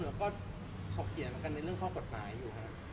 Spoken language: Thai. ก็เขาเขียนในเรื่องข้อกฎหมายอยู่ฮะ